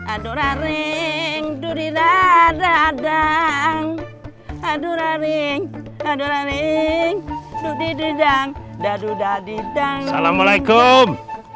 aduraring dudiradang aduraring aduraring dudididang dadudadidang assalamualaikum